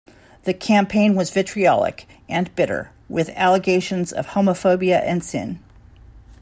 The campaign was vitriolic and bitter with allegations of homophobia and sin.